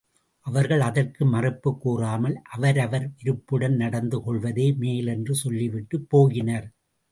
அவர்கள் அதற்கு மறுப்புக் கூறாமல் அவரவர் விருப்புடன் நடந்து கொள்வதே மேல் என்று சொல்லி விட்டுப் போயினர்.